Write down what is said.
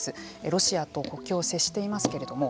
ロシアと国境を接していますけれども。